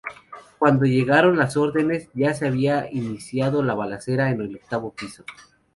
Cuando llegaron las órdenes ya se había iniciado la balacera en el octavo piso.